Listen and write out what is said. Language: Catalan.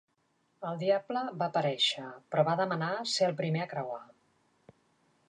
El Diable va aparèixer, però va demanar ser el primer a creuar.